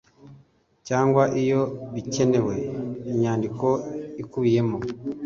cyangwa iyo bikenewe inyandiko ikubiyemo